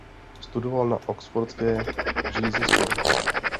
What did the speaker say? Studoval na oxfordské Jesus College.